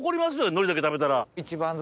海苔だけ食べたら。